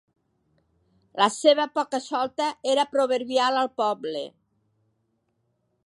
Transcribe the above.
La seva poca-solta era proverbial al poble.